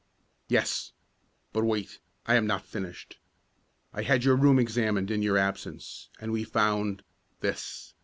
"Yes. But wait, I am not finished. I had your room examined in your absence, and we found this."